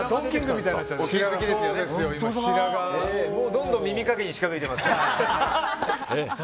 どんどん耳かきに近づいてます。